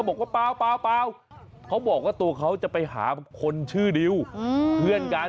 บอกว่าเปล่าเขาบอกว่าตัวเขาจะไปหาคนชื่อดิวเพื่อนกัน